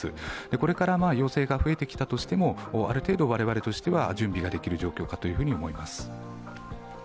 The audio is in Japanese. これから陽性が増えてきたとしてもある程度我々は準備ができている状況かと思います。